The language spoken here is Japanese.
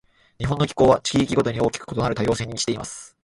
日本の気候は、地域ごとに大きく異なる多様性に満ちています。